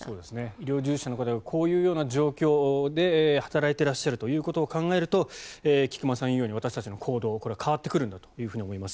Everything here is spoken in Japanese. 医療従事者の方がこういうような状況で働いてらっしゃるということを考えると菊間さんが言うように私たちの行動これは変わってくるんだと思います。